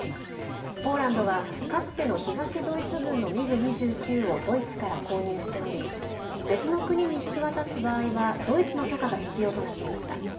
ポーランドはかつての東ドイツ軍のミグ２９をドイツから購入しており別の国に引き渡す場合はドイツの許可が必要となっていました。